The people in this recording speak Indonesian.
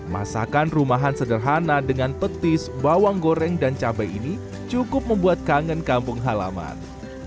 masakan rumahan sederhana dengan petis bawang goreng dan cabai ini cukup membuat kangen kampung halaman